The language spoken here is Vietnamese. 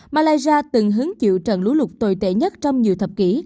malaysia từng hứng chịu trận lũ lụt tồi tệ nhất trong nhiều thập kỷ